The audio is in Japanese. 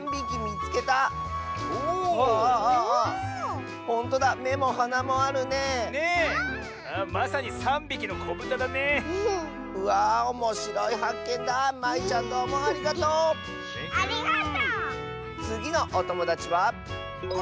つぎのおともだちは。